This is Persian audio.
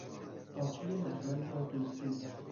پارچهٔ مخمل را دزدید